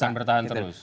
akan bertahan terus